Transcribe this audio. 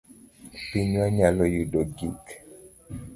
Pinywa nyalo yudo gik